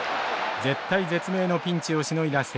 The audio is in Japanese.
絶体絶命のピンチをしのいだ星稜。